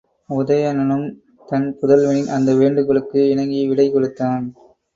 உதயணனும் தன் புதல்வனின் அந்த வேண்டுகோளுக்கு இணங்கி விடை கொடுத்தான்.